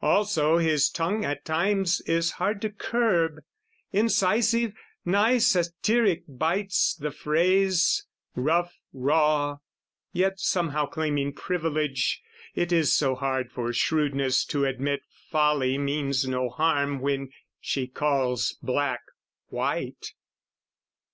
Also his tongue at times is hard to curb; Incisive, nigh satiric bites the phrase, Rough raw, yet somehow claiming privilege It is so hard for shrewdness to admit Folly means no harm when she calls black white!